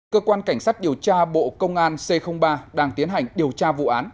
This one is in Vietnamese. cơ quan cảnh sát điều tra bộ công an c ba đang tiến hành điều tra vụ án